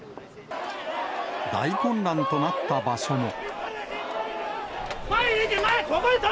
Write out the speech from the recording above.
大混乱となった場所も。